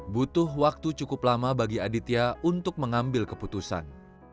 butuh waktu cukup lama bagi aditya untuk mengambil keputusan